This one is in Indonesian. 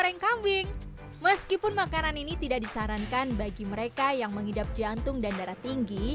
nasi goreng kambing